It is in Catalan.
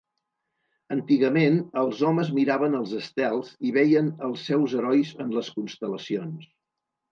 Antigament, els homes miraven els estels i veien els seus herois en les constel·lacions.